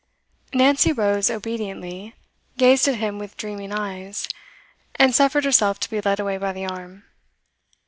Nancy rose obediently, gazed at him with dreaming eyes, and suffered herself to be led away by the arm.